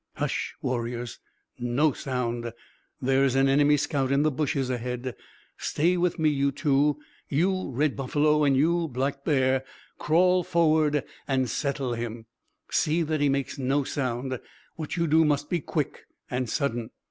"Hush, warriors! No sound. There is an enemy scout in the bushes ahead. Stay with me, you two. You, Red Buffalo, and you, Black Bear, crawl forward and settle him. See that he makes no sound. What you do must be quick and sudden.